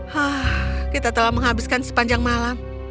hah kita telah menghabiskan sepanjang malam